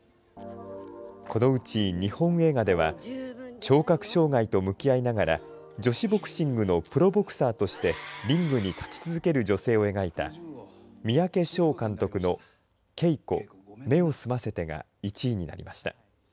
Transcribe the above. このうち日本映画では聴覚障害と向き合いながら女子ボクシングのプロボクサーとしてリングに立ち続ける女性を描いた三宅唱監督のケイコ目を澄ませてが１位になりました。